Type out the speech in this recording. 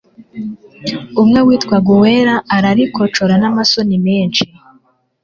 Umwe witwaga Uwera ararikocora n'amasoni menshi